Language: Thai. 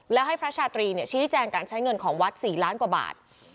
แล้วให้พระชาตรีชี้แจงการใช้เงินของวัด๔ล้านกว่าบาท